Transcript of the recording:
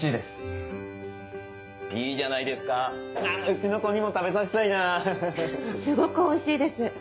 すごくおいしいです！